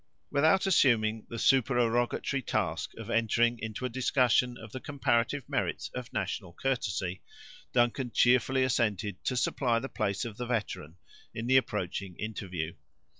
Without assuming the supererogatory task of entering into a discussion of the comparative merits of national courtesy, Duncan cheerfully assented to supply the place of the veteran in the approaching interview.